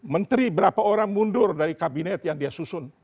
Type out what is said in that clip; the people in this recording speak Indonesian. menteri berapa orang mundur dari kabinet yang dia susun